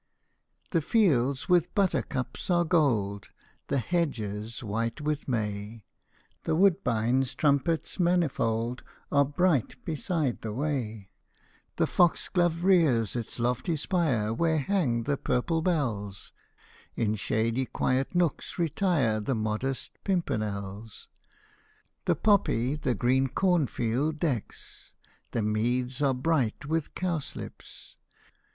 The fields with buttercups are gold, The hedges white with' may ; The woodbine's trumpets manifold Are bright beside the way ; The foxglove rears its lofty spire Where hang the purple bells ; In shady quiet nooks retire The modest pimpernels ; The poppy the green corn fields decks, The meads are bright with cowslips.